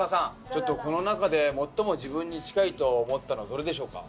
ちょっとこの中で最も自分に近いと思ったのはどれでしょうか？